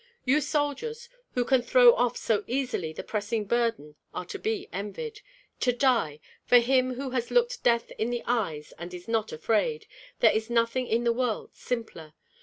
"You soldiers, who can throw off so easily the pressing burden are to be envied. To die! For him who has looked death in the eyes and is not afraid, there is nothing in the world simpler.